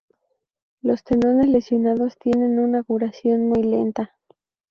Los tendones lesionados tienen una curación muy lenta.